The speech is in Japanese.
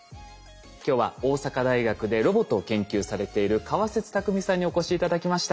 今日は大阪大学でロボットを研究されている川節拓実さんにお越し頂きました。